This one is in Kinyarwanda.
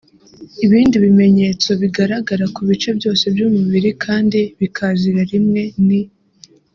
Ibindi bimenyetso bigaragara ku bice byose by’umubiri kandi bikazira rimwe ni